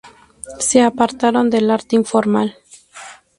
Se apartaron del arte informal.